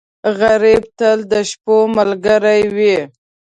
غریب تل د شپو ملګری وي